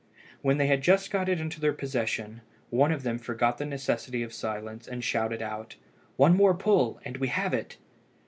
When they had just got it into their possession, one of them forgot the necessity of silence, and shouted out "One pull more, and we have it!"